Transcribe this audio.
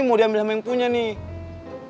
mau diambil sama yang punya nih